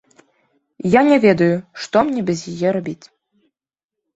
Я не ведаю, што мне без яе рабіць.